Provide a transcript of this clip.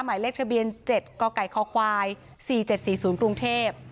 หมายเลขทะเบียน๗กกคควาย๔๗๔๐กรุงเทพฯ